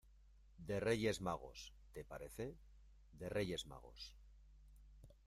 de Reyes Magos, ¿ te parece? de Reyes Magos.